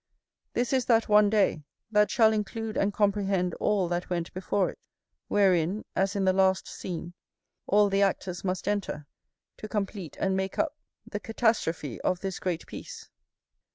This is that one day, that shall include and comprehend all that went before it; wherein, as in the last scene, all the actors must enter, to complete and make up the catastrophe of this great piece.